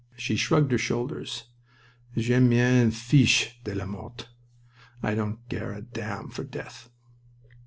She shrugged her shoulders. "Je m'en fiche de la mort!" ("I don't care a damn for death!")